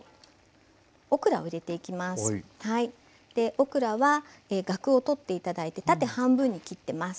オクラはガクを取って頂いて縦半分に切ってます。